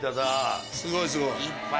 すごいすごい。